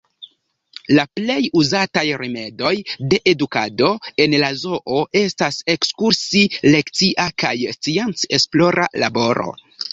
La plej uzataj rimedoj de edukado en la zoo estas ekskursi-lekcia kaj scienc-esplora laboro.